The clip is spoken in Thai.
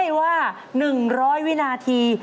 ไม่ว่าหนึ่งร้อยวินาที